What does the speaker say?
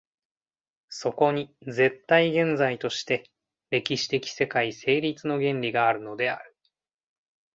そこに絶対現在として歴史的世界成立の原理があるのである。